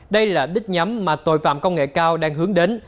đây là đích nhắm mà tội phạm công nghệ cao đang hướng đến